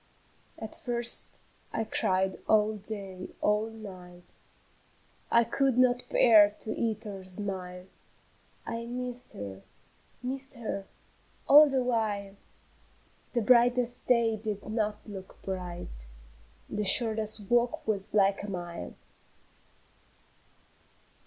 At first I cried all day, all night; I could not bear to eat or smile, I missed her, missed her, all the while The brightest day did not look bright, The shortest walk was like a mile.